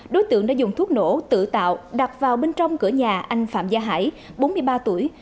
đối tượng đã dùng thuốc nổ tự tạo bên trong cửa nhà anh phạm gia hải bốn mươi ba tuổi